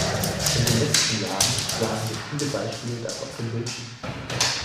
In den letzten Jahren sahen wir viele Beispiele dafür auf dem Bildschirm.